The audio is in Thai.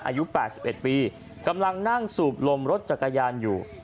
อายุ๘๑ปีกำลังนั่งสูบลมรถจักรยานอยู่